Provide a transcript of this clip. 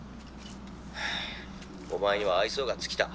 「はぁお前には愛想が尽きた。